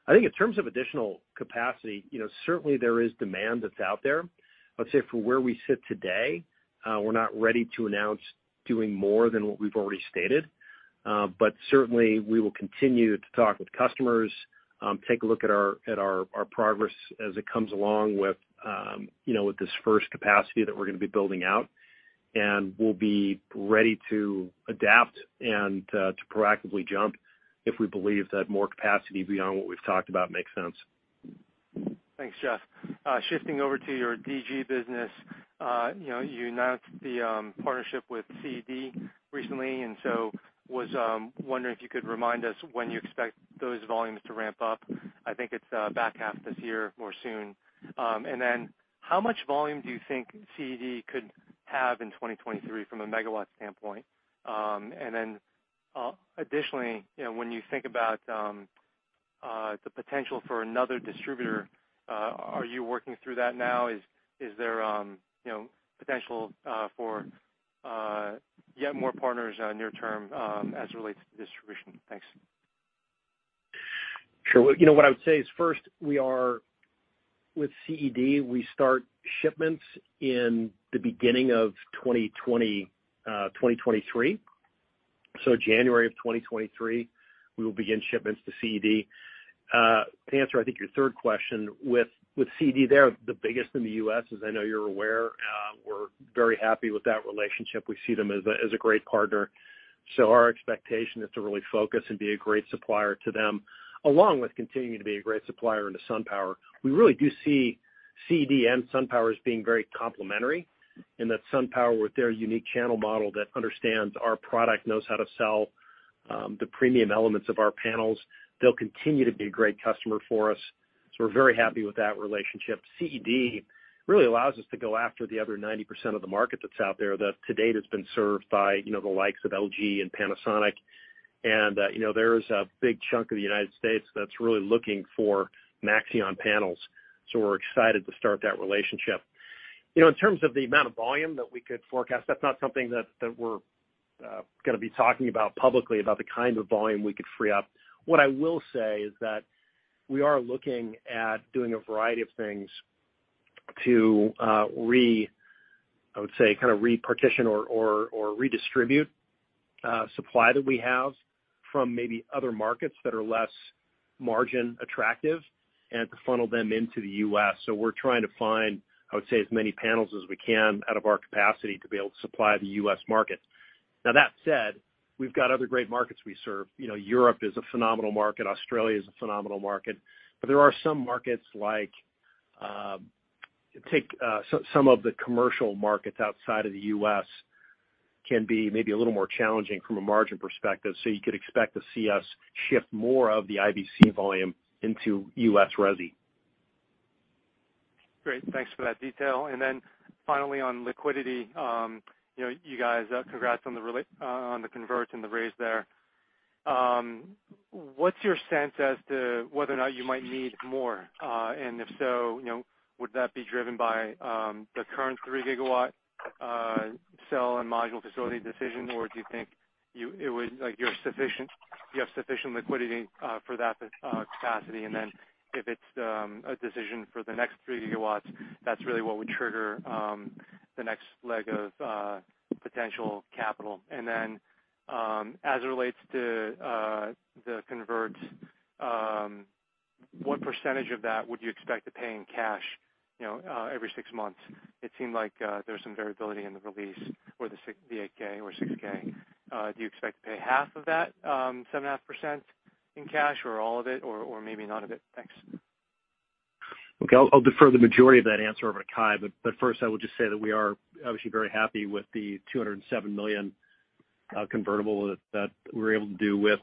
Speaker 3: I think in terms of additional capacity, certainly, there is demand that's out there. I would say for where we sit today, we're not ready to announce doing more than what we've already stated. Certainly, we will continue to talk with customers, take a look at our progress as it comes along with this first capacity that we're going to be building out, and we'll be ready to adapt and to proactively jump if we believe that more capacity beyond what we've talked about makes sense.
Speaker 7: Thanks, Jeff. Shifting over to your DG business, you announced the partnership with CED recently, and so was wondering if you could remind us when you expect those volumes to ramp up. I think it's back half this year or soon. How much volume do you think CED could have in 2023 from a MW standpoint? Additionally, when you think about the potential for another distributor, are you working through that now? Is there potential for yet more partners near-term as it relates to distribution? Thanks.
Speaker 3: Sure. What I would say is first, with CED, we start shipments in the beginning of 2023. January of 2023, we will begin shipments to CED. To answer, I think, your third question, with CED there, the biggest in the U.S., as I know you're aware, we're very happy with that relationship. We see them as a great partner. Our expectation is to really focus and be a great supplier to them, along with continuing to be a great supplier into SunPower. We really do see CED and SunPower as being very complementary in that SunPower, with their unique channel model that understands our product, knows how to sell the premium elements of our panels, they'll continue to be a great customer for us. We're very happy with that relationship. CED really allows us to go after the other 90% of the market that's out there that to date has been served by the likes of LG and Panasonic. There is a big chunk of the United States that's really looking for Maxeon panels. We're excited to start that relationship. In terms of the amount of volume that we could forecast, that's not something that we're going to be talking about publicly, about the kind of volume we could free up. What I will say is that we are looking at doing a variety of things to, I would say, kind of repartition or redistribute supply that we have from maybe other markets that are less margin attractive and to funnel them into the U.S. We're trying to find, I would say, as many panels as we can out of our capacity to be able to supply the U.S. market. Now, that said, we've got other great markets we serve. Europe is a phenomenal market. Australia is a phenomenal market. But there are some markets like take some of the commercial markets outside of the U.S. can be maybe a little more challenging from a margin perspective. You could expect to see us shift more of the IBC volume into U.S. resi.
Speaker 7: Great. Thanks for that detail. Finally, on liquidity, you guys, congrats on the converts and the raise there. What's your sense as to whether or not you might need more? If so, would that be driven by the current 3 GW cell and module facility decision, or do you think you would have sufficient liquidity for that capacity? If it's a decision for the next 3 GW, that's really what would trigger the next leg of potential capital. As it relates to the converts, what percentage of that would you expect to pay in cash every 6 months? It seemed like there was some variability in the release or the 8-K or 6-K. Do you expect to pay half of that, 7.5%, in cash or all of it or maybe none of it? Thanks.
Speaker 3: Okay. I'll defer the majority of that answer over to Kai. First, I will just say that we are obviously very happy with the $207 million convertible that we were able to do with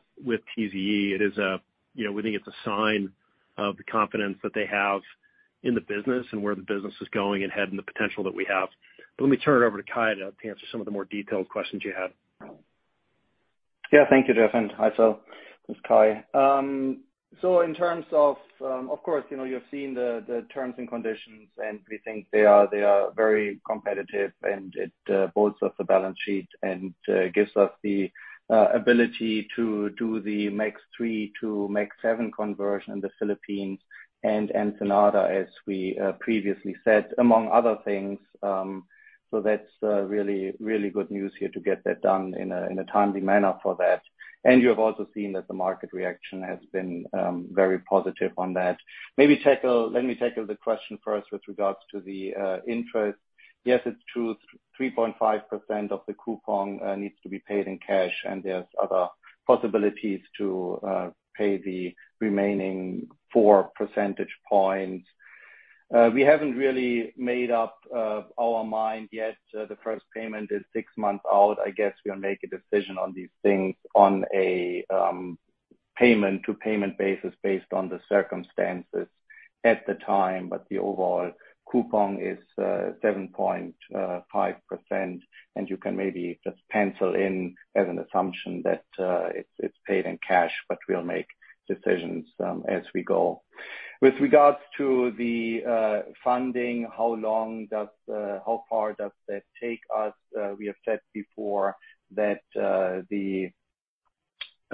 Speaker 3: TZE. We think it's a sign of the confidence that they have in the business and where the business is going ahead and the potential that we have. Let me turn it over to Kai to answer some of the more detailed questions you had.
Speaker 4: Yeah. Thank you, Jeff. Hi as well, It's Kai. In terms of course, you have seen the terms and conditions, and we think they are very competitive, and it bolsters the balance sheet and gives us the ability to do the Maxeon 3 to Maxeon 7 conversion in the Philippines and Ensenada, as we previously said, among other things. That's really, really good news here to get that done in a timely manner for that. You have also seen that the market reaction has been very positive on that. Maybe let me tackle the question first with regards to the interest. Yes, it's true. 3.5% of the coupon needs to be paid in cash, and there's other possibilities to pay the remaining 4 percentage points. We haven't really made up our mind yet. The first payment is six months out. I guess we'll make a decision on these things on a payment-to-payment basis based on the circumstances at the time. The overall coupon is 7.5%, and you can maybe just pencil in as an assumption that it's paid in cash, but we'll make decisions as we go. With regards to the funding, how far does that take us? We have said before that the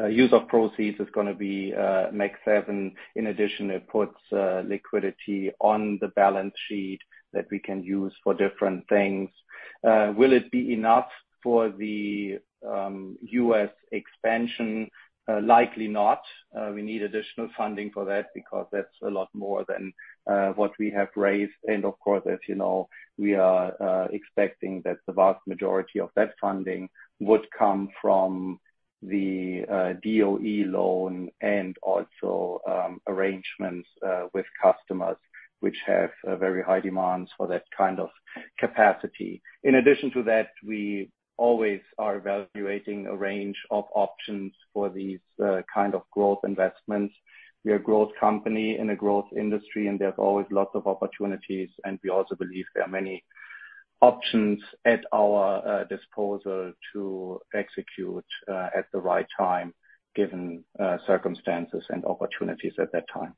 Speaker 4: use of proceeds is going to be Maxeon 7. In addition, it puts liquidity on the balance sheet that we can use for different things. Will it be enough for the U.S. expansion? Likely not. We need additional funding for that because that's a lot more than what we have raised. Of course, as you know, we are expecting that the vast majority of that funding would come from the DOE loan and also arrangements with customers, which have very high demands for that kind of capacity. In addition to that, we always are evaluating a range of options for these kind of growth investments. We are a growth company in a growth industry, and there's always lots of opportunities. We also believe there are many options at our disposal to execute at the right time, given circumstances and opportunities at that time.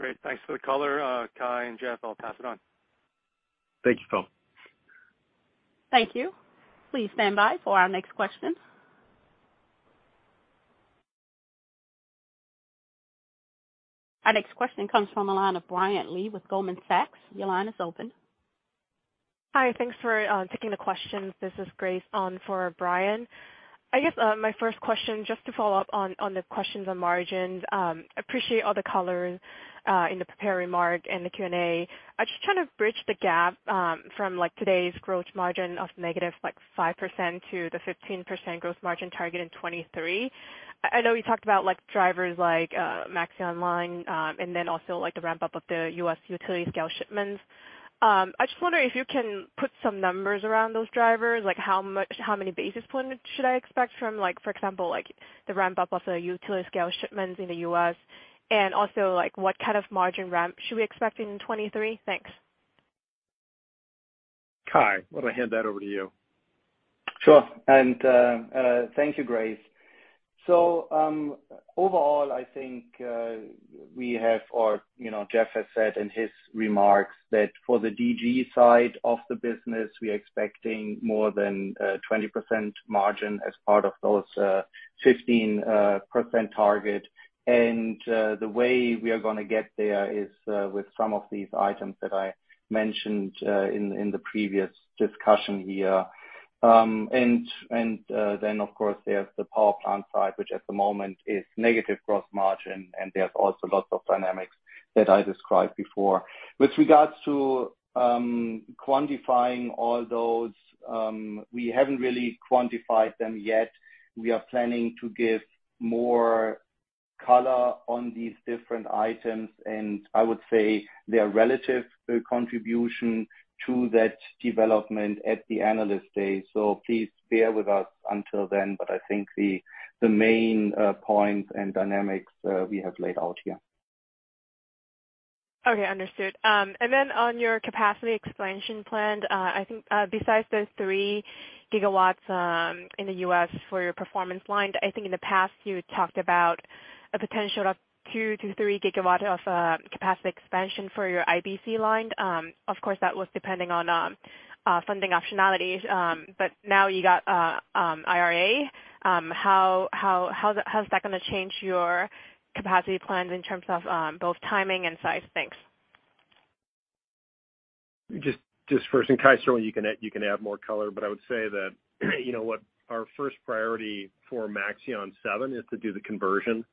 Speaker 7: Great. Thanks for the caller, Kai and Jeff. I'll pass it on.
Speaker 3: Thank you, Phil.
Speaker 1: Thank you. Please stand by for our next question. Our next question comes from the line of Brian Lee with Goldman Sachs. Your line is open.
Speaker 8: Hi. Thanks for taking the questions. This is Grace on for Brian. I guess my first question, just to follow up on the questions on margins, I appreciate all the colors in the prepared remarks and the Q&A. I just want to bridge the gap from today's gross margin of negative 5% to the 15% gross margin target in 2023. I know you talked about drivers like Maxeon line and then also the ramp-up of the U.S. utility-scale shipments. I just wonder if you can put some numbers around those drivers, like how many basis points should I expect from, for example, the ramp-up of the utility-scale shipments in the U.S., and also what kind of margin ramp should we expect in 2023? Thanks.
Speaker 3: Kai, I want to hand that over to you.
Speaker 4: Sure. Thank you, Grace. Overall, I think we have or Jeff has said in his remarks that for the DG side of the business, we are expecting more than 20% margin as part of those 15% target. The way we are going to get there is with some of these items that I mentioned in the previous discussion here. Then, of course, there's the power plant side, which at the moment is negative gross margin, and there's also lots of dynamics that I described before. With regards to quantifying all those, we haven't really quantified them yet. We are planning to give more color on these different items, and I would say they are relative contribution to that development at the analyst day. Please bear with us until then. I think the main points and dynamics we have laid out here.
Speaker 8: Okay. Understood. On your capacity expansion plan, I think besides the 3 GW in the U.S. for your Performance Line, I think in the past, you talked about a potential of 2-3 GW of capacity expansion for your IBC line. Of course, that was depending on funding optionality. Now you got IRA. How is that going to change your capacity plans in terms of both timing and size? Thanks.
Speaker 3: Just first, Kai, certainly, you can add more color. I would say that our first priority for Maxeon 7 is to do the conversion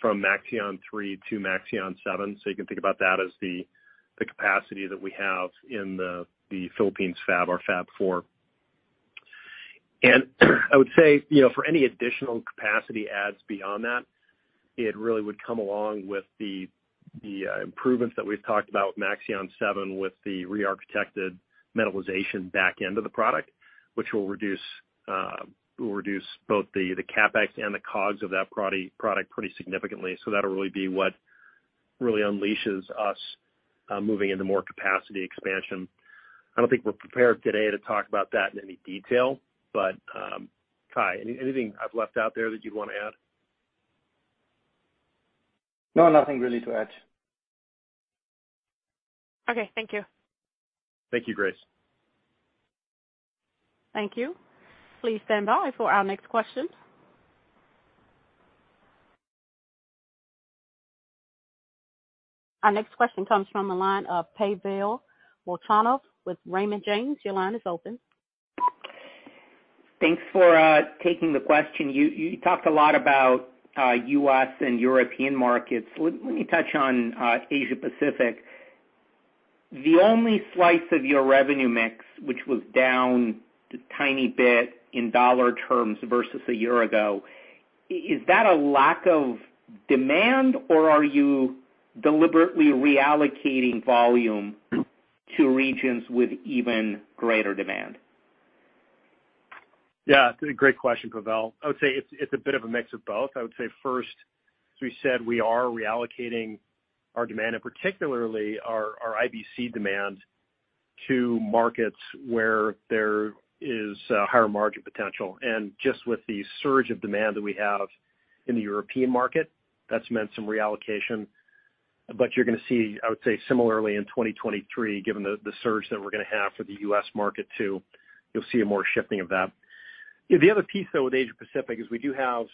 Speaker 3: from Maxeon 3 to Maxeon 7. You can think about that as the capacity that we have in the Philippines fab, our fab 4. I would say for any additional capacity adds beyond that, it really would come along with the improvements that we've talked about with Maxeon 7 with the re-architected metallization back end of the product, which will reduce both the CapEx and the COGS of that product pretty significantly. That'll really be what really unleashes us moving into more capacity expansion. I don't think we're prepared today to talk about that in any detail. Kai, anything I've left out there that you'd want to add?
Speaker 4: No, nothing really to add.
Speaker 8: Okay. Thank you.
Speaker 3: Thank you, Grace.
Speaker 1: Thank you. Please stand by for our next question. Our next question comes from the line of Pavel Molchanov with Raymond James. Your line is open.
Speaker 9: Thanks for taking the question. You talked a lot about U.S. and European markets. Let me touch on Asia-Pacific. The only slice of your revenue mix, which was down a tiny bit in U.S. dollar terms versus a year ago, is that a lack of demand, or are you deliberately reallocating volume to regions with even greater demand?
Speaker 3: Yeah. Great question, Pavel. I would say it's a bit of a mix of both. I would say first, as we said, we are reallocating our demand, and particularly our IBC demand, to markets where there is higher margin potential. Just with the surge of demand that we have in the European market, that's meant some reallocation. You're going to see, I would say, similarly in 2023, given the surge that we're going to have for the U.S. market too, you'll see a more shifting of that. The other piece, though, with Asia-Pacific is we do have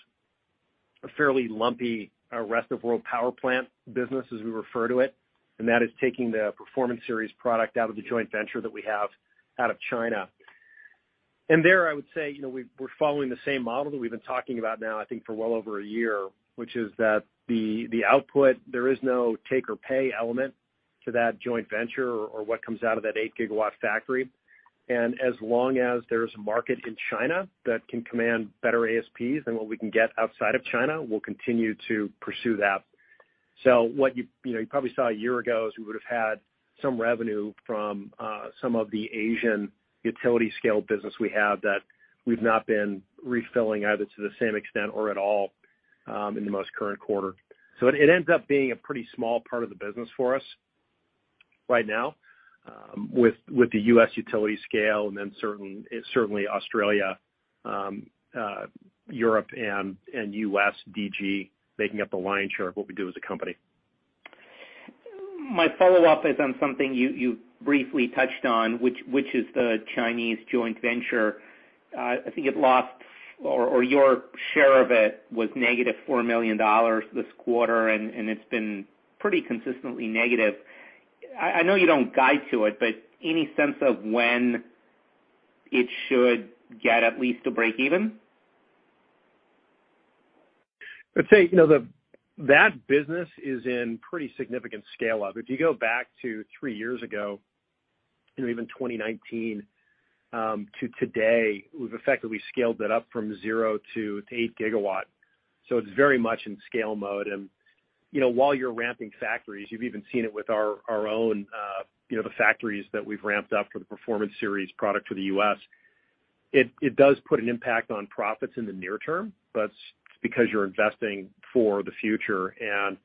Speaker 3: a fairly lumpy rest of world power plant business, as we refer to it. That is taking the performance series product out of the joint venture that we have out of China. There, I would say we're following the same model that we've been talking about now, I think, for well over a year, which is that the output, there is no take-or-pay element to that joint venture or what comes out of that 8-GW factory. As long as there is a market in China that can command better ASPs than what we can get outside of China, we'll continue to pursue that. What you probably saw a year ago is we would have had some revenue from some of the Asian utility-scale business we have that we've not been refilling either to the same extent or at all in the most current quarter. It ends up being a pretty small part of the business for us right now with the U.S. utility scale and then certainly Australia, Europe, and U.S. DG making up the lion's share of what we do as a company.
Speaker 9: My follow-up is on something you briefly touched on, which is the Chinese joint venture. I think it lost or your share of it was negative $4 million this quarter, and it's been pretty consistently negative. I know you don't guide to it, but any sense of when it should get at least to break even?
Speaker 3: I'd say that business is in pretty significant scale-up. If you go back to 3 years ago, even 2019, to today, effectively, we scaled it up from 0 to 8 GW. It's very much in scale mode. While you're ramping factories, you've even seen it with our own, the factories that we've ramped up for the Performance series product for the U.S., it does put an impact on profits in the near term, but it's because you're investing for the future. I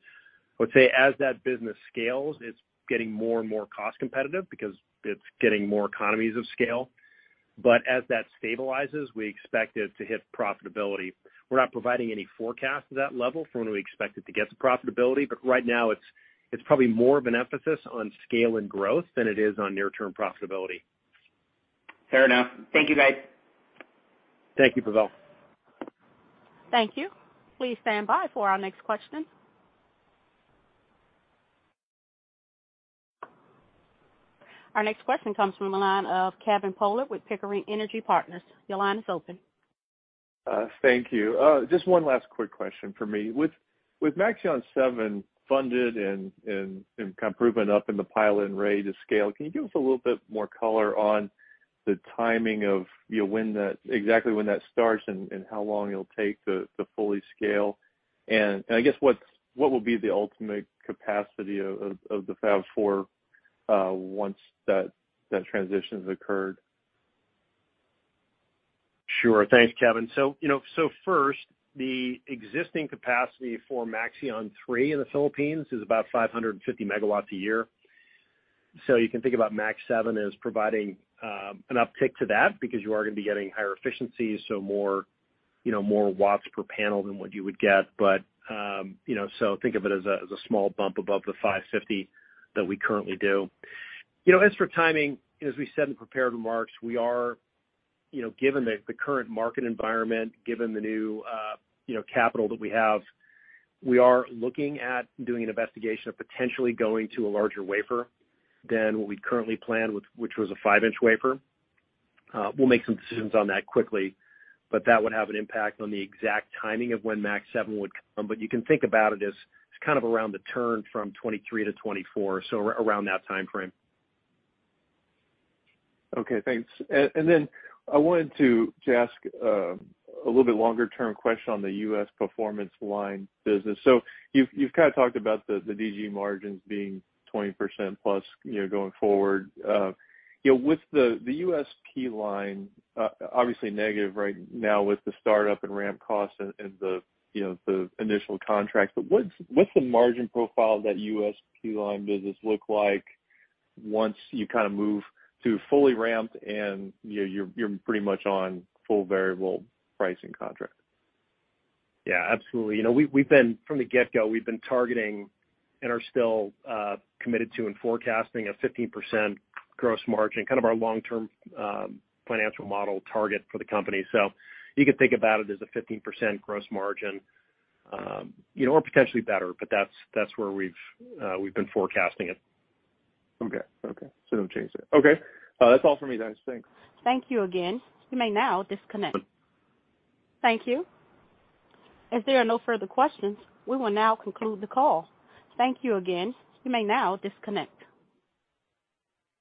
Speaker 3: would say as that business scales, it's getting more and more cost-competitive because it's getting more economies of scale. As that stabilizes, we expect it to hit profitability. We're not providing any forecast at that level for when we expect it to get to profitability. Right now, it's probably more of an emphasis on scale and growth than it is on near-term profitability.
Speaker 9: Fair enough. Thank you, guys.
Speaker 3: Thank you, Pavel.
Speaker 1: Thank you. Please stand by for our next question. Our next question comes from the line of Kevin Pollard with Pickering Energy Partners. Your line is open.
Speaker 10: Thank you. Just one last quick question for me. With Maxeon 7 funded and kind of proven up in the pilot and ready to scale, can you give us a little bit more color on the timing of exactly when that starts and how long it'll take to fully scale? I guess what will be the ultimate capacity of the Fab 4 once that transition has occurred?
Speaker 3: Sure. Thanks, Kevin. First, the existing capacity for Maxeon 3 in the Philippines is about 550 MW a year. You can think about Max 7 as providing an uptick to that because you are going to be getting higher efficiencies, so more watts per panel than what you would get. Think of it as a small bump above the 550 that we currently do. As for timing, as we said in the prepared remarks, given the current market environment, given the new capital that we have, we are looking at doing an investigation of potentially going to a larger wafer than what we currently planned, which was a 5-inch wafer. We'll make some decisions on that quickly, but that would have an impact on the exact timing of when Max 7 would come. You can think about it as kind of around the turn from 2023 to 2024, so around that timeframe.
Speaker 10: Okay. Thanks. I wanted to just ask a little bit longer-term question on the U.S. Performance Line business. You've kind of talked about the DG margins being 20%+ going forward. With the U.S. Performance Line, obviously negative right now with the startup and ramp costs and the initial contracts, but what's the margin profile that U.S. Performance Line business look like once you kind of move to fully ramped and you're pretty much on full variable pricing contract?
Speaker 3: Yeah. Absolutely. From the get-go, we've been targeting and are still committed to and forecasting a 15% gross margin, kind of our long-term financial model target for the company. You can think about it as a 15% gross margin or potentially better, but that's where we've been forecasting it.
Speaker 10: Okay. Don't change it. Okay. That's all for me, guys. Thanks.
Speaker 1: Thank you again. You may now disconnect. Thank you. As there are no further questions, we will now conclude the call. Thank you again. You may now disconnect.